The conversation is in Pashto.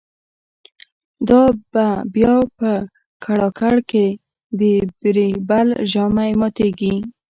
دا به بیا په کړاکړ کی د« بیربل» ژامی ماتیږی